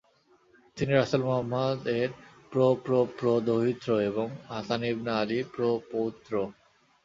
তিনি রাসুল মুহাম্মাদ এর প্র-প্র-প্র-দৌহিত্র এবং হাসান ইবনে আলীর প্র-পৌত্র।